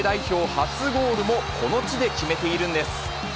初ゴールもこの地で決めているんです。